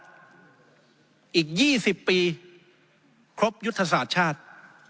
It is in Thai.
อีก๒๐ปีครบยุทธศาสตร์ชาติ